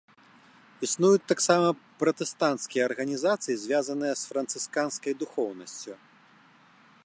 Існуюць таксама пратэстанцкія арганізацыі, звязаныя з францысканскай духоўнасцю.